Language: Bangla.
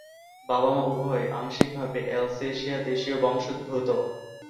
বাবা-মা উভয়ই আংশিকভাবে অ্যাল্সেশিয়া-দেশীয় বংশদ্ভুত।